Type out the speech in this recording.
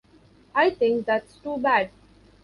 I think that's too bad.